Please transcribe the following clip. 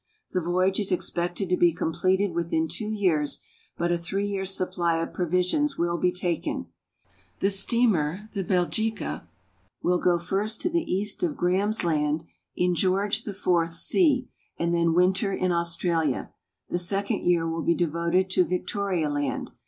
The voyage is expected to be completed within two years, but a three years' supply of provisions will be taken. Tlie steamer. The Bdgica, will go first to the east of Grahams Land in George IV sea, and tlien winter in Australia. The second year will be devoted to Victoria Land.